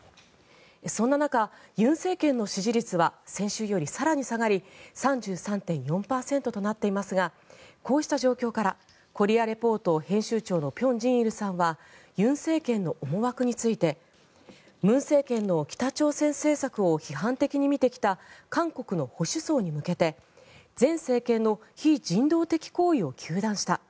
そんな中、尹政権の支持率は先週より更に下がり３３．４％となっていますがこうした状況から「コリア・レポート」編集長の辺真一さんは尹政権の思惑について文政権の北朝鮮政策を批判的に見てきた韓国の保守層に向けて前政権の非人道的行為を糾弾した。